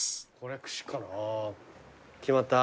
決まった？